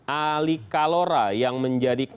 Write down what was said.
alikalora yang menjadi